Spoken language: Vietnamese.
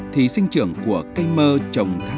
thì sinh trường của cây mơ sẽ không đủ đủ đồ ẩm